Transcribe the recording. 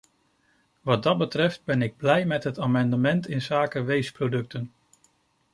Wat dit betreft ben ik blij met het amendement inzake weesproducten.